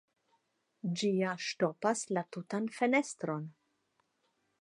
Ĝi ja ŝtopas la tutan fenestron.